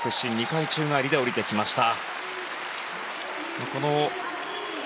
２回宙返りで下りてきました。